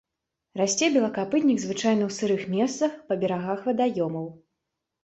Расце белакапытнік звычайна ў сырых месцах, па берагах вадаёмаў.